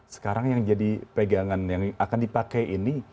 sekarang yang jadi pegangan yang akan dipakai ini